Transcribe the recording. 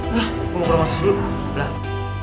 wah gue mau ke rumah sesuai